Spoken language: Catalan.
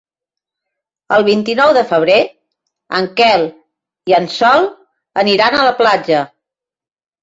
El vint-i-nou de febrer en Quel i en Sol aniran a la platja.